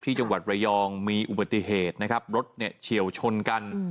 จังหวัดระยองมีอุบัติเหตุนะครับรถเนี่ยเฉียวชนกัน